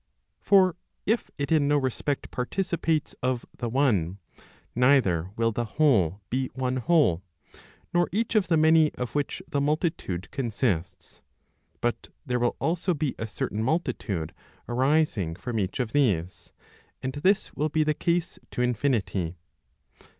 For if it in no respect participates of the one, neither will the whole be one whole, nor each of the many of which the multitude consists; but there will also be a certain multitude arising from each of these, and this will be the case to infinity.